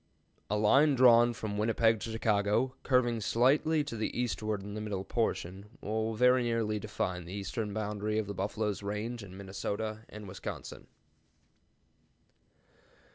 A line drawn from Winnipeg to Chicago, curving slightly to the eastward in the middle portion, will very nearly define the eastern boundary of the buffalo's range in Minnesota and Wisconsin.